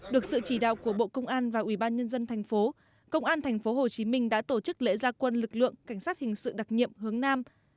được sự chỉ đạo của bộ công an và ủy ban nhân dân tp hcm đã tổ chức lễ gia quân lực lượng cảnh sát hình sự đặc nhiệm hướng nam